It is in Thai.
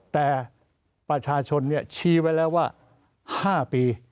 แต่ประชาชนชี้ไว้แล้วว่า๕ปี